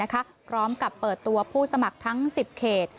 พร้อมกับเปิดตัวผู้สมัครทั้ง๑๐เขต